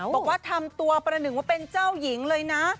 บอกว่าทำตัวประหนึ่งว่าเป็นเจ้าหญิงเลยนะ